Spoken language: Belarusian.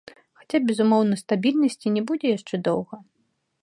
Хаця, безумоўна, стабільнасці не будзе яшчэ доўга.